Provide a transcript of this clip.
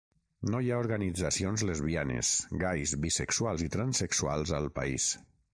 No hi ha organitzacions lesbianes, gais, bisexuals i transsexuals al país.